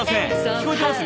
聞こえてます？